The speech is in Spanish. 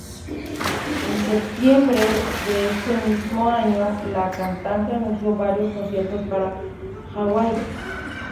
En septiembre de ese mismo año, la cantante anuncio varios conciertos para Hawaii.